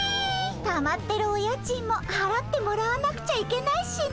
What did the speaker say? たまってるお家賃もはらってもらわなくちゃいけないしね。